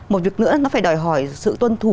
một việc nữa nó phải đòi hỏi sự tuân thủ